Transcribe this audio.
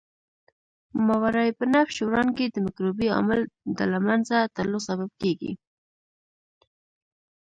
ماورای بنفش وړانګې د مکروبي عامل د له منځه تلو سبب کیږي.